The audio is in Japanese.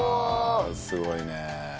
すごいね。